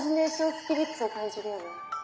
スピリッツを感じるよねぇ。